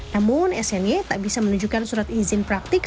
namun sni tak bisa menunjukkan surat izin praktik